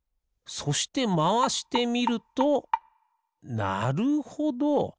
そしてまわしてみるとなるほど。